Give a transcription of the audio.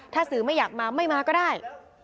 ถ้าสื่อไม่อยากมาไม่มาก็ได้